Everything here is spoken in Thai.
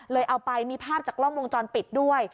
เอาไปมีภาพจากกล้องวงจรปิดด้วย